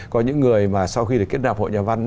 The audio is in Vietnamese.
có những người mà sau khi được kết nạp hội nhà văn